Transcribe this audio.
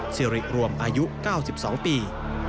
สิริรวมอายุ๙๒ปี